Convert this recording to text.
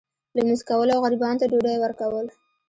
لمونځ کول او غریبانو ته ډوډۍ ورکول.